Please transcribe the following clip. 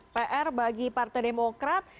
pr bagi partai demokrat